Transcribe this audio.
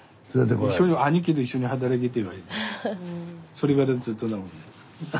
それからずっとなので。